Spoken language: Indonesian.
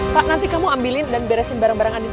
pak nanti kamu ambilin dan biresin barang barang anin